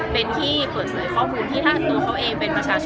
เป็นที่เปิดเผยข้อมูลที่ถ้าตัวเขาเองเป็นประชาชน